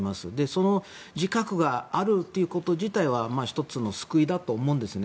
その自覚があるということ自体は１つの救いだと思うんですね。